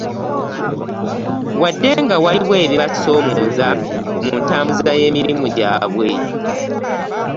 Wadde nga waliwo ebibasoomooza mu nyambuza y'emirimu gyabwe